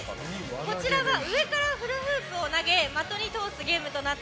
こちらは上からフラフープを投げ的に通すゲームです。